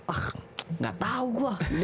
ah nggak tahu gue